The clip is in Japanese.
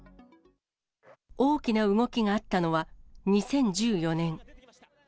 大きな動きがあったのは、２０１４年。